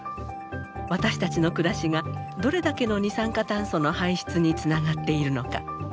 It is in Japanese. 私たちの暮らしがどれだけの二酸化炭素の排出につながっているのか